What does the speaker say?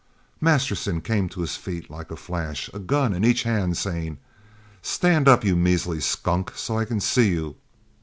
"Masterson came to his feet like a flash, a gun in each hand, saying, 'Stand up, you measly skunk, so I can see you.'